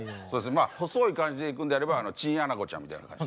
まあ細い感じでいくんであればチンアナゴちゃんみたいな感じ。